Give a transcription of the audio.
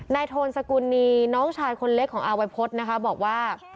โทนสกุลนีน้องชายคนเล็กของอาวัยพฤษนะคะบอกว่า